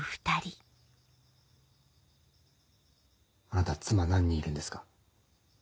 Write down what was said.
あなた妻何人いるんですか？